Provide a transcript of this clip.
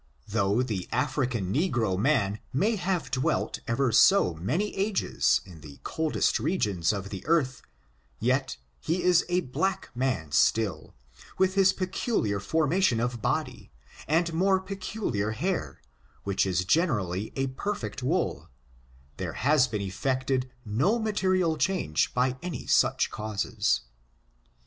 Though the African negro man may have dwelt ever so many ages in the coldest regions of the earth, yet he is a black man still, with his peculiar forma tion of body, and m>ore peculiar hair, which is gene rally a perfect wool, there has been effected no ma terial change by any such causes.